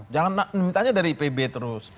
jangan mintanya dari ipb terus